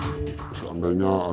pengrem yang mengalihkan perhatian